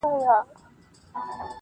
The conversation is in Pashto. • د هندو له کوره هم قران را ووت ,